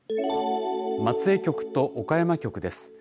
松江局と岡山局です。